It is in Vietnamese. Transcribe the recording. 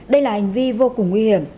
đây là hành vi vô cùng nguy hiểm